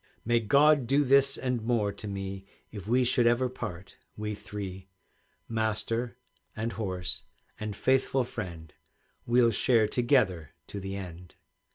"May God do this and more to me If we should ever part, we three, Master and horse and faithful friend, We'll share together to the end!"